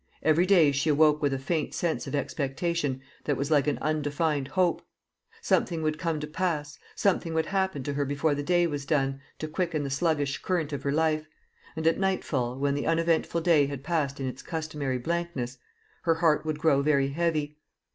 Every day she awoke with a faint sense of expectation that was like an undefined hope; something would come to pass, something would happen to her before the day was done, to quicken the sluggish current of her life; and at nightfall, when the uneventful day had passed in its customary blankness, her heart would grow very heavy.